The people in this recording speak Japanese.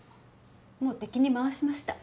もう敵に回しました。